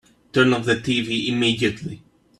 Turn off the tv immediately!